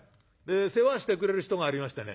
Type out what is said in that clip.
「世話してくれる人がありましてね